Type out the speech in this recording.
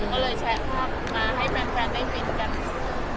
ก็เลยแชะภาพมาให้แฟนได้ฟินกันค่ะ